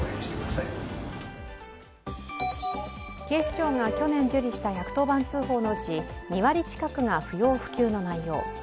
警視庁が去年受理した１１０番通報のうち２割近くが不要不急の内容。